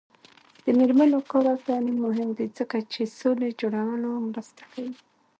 د میرمنو کار او تعلیم مهم دی ځکه چې سولې جوړولو مرسته کوي.